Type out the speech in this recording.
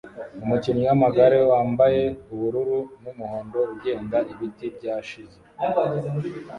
Umukinnyi wamagare wambaye ubururu numuhondo ugenda ibiti byashize